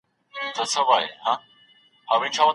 هره علمي رسته خپلي ځانګړتياوي لري.